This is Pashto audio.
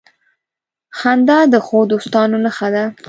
• خندا د ښو دوستانو نښه ده.